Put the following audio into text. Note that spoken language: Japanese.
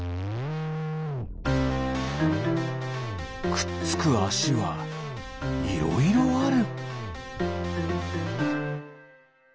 くっつくあしはいろいろある。